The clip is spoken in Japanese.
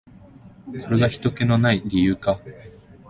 これがひとけの無い理由か。